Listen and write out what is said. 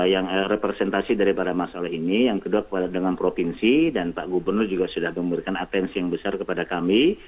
yang representasi daripada masalah ini yang kedua dengan provinsi dan pak gubernur juga sudah memberikan atensi yang besar kepada kami